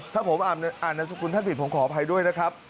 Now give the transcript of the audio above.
ถ้าผมอ่านนามสกุลท่านผิดผมขออภัยด้วยนะครับ